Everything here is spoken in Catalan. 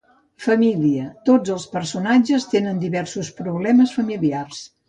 Família: tots els personatges tenen diversos problemes familiars.